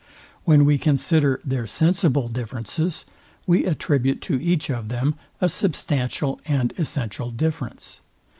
When we consider their sensible differences, we attribute to each of them a substantial and essential difference.